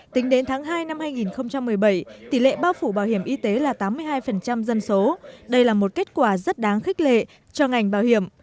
tính đến tháng hai năm hai nghìn một mươi bảy tỷ lệ bao phủ bảo hiểm y tế là tám mươi hai dân số đây là một kết quả rất đáng khích lệ cho ngành bảo hiểm